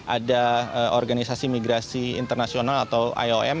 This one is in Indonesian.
ada organisasi migrasi internasional atau iom